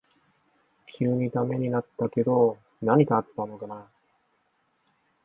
急にダメになったけど何かあったのかな